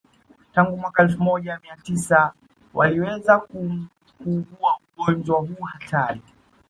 Tangu mwaka elfu moja Mia tisa waliweza kuugua ugonjwa huu hatari